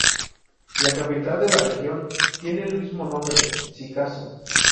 La capital de la región tiene el mismo nombre, Sikasso.